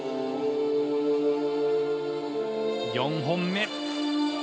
４本目。